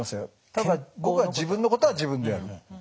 ただ僕は自分のことは自分でやる。